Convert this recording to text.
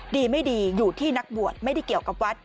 ดีไม่ดีอยู่ที่นักบวชไม่ได้เกี่ยวกับวัด